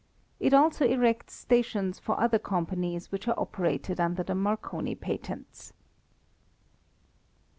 It also erects stations for other companies which are operated under the Marconi patents.